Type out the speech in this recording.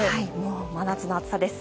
真夏の暑さです。